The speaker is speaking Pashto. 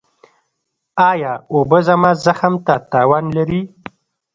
ایا اوبه زما زخم ته تاوان لري؟